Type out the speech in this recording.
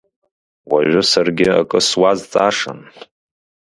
Уажәы саргьы акы суазҵаашан?!